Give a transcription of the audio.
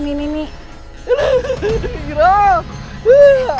ayah ini jahat kak